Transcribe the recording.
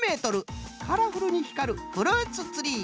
カラフルにひかるフルーツツリー！